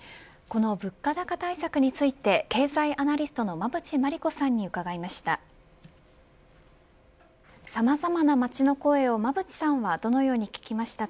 この物価高対策について経済アナリストの馬渕磨理子さんに伺いました。